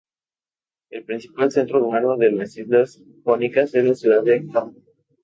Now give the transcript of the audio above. El principal centro urbano de las islas Jónicas es la ciudad de Corfú.